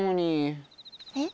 えっ？